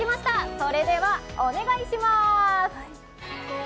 それではお願いします。